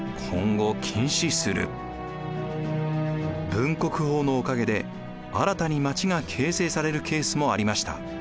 分国法のおかげで新たに町が形成されるケースもありました。